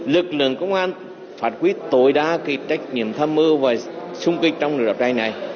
lực lượng công an phát quyết tối đa cái trách nhiệm tham mưu và xung kích trong lực lập trang này